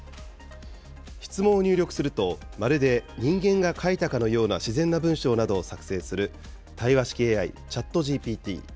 質問を入力すると、まるで人間が書いたかのような自然な文章などを作成する対話式ＡＩ、ＣｈａｔＧＰＴ。